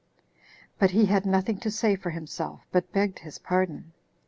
But he had nothing to say for himself, but begged his pardon.